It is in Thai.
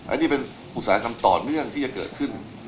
อันนี้เป็นอุตสาหกรรมต่อเนื่องที่จะเกิดขึ้น